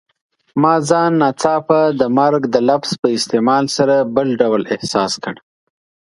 ما ځان ناڅاپه د مرګ د لفظ په استعمال سره بل ډول احساس کړ.